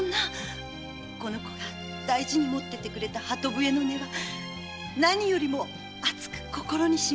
この子が大事に持っていた鳩笛の音は何よりも熱く心に泌みました。